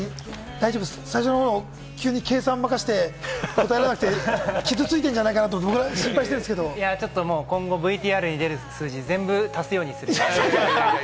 ふくらＰ、最初の方、急に計算まかせて答えられなくて傷ついてるんじゃないかと心配してるん今後ＶＴＲに出る数字、全部足すようにするので。